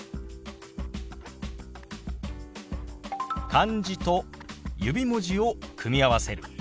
漢字と指文字を組み合わせる。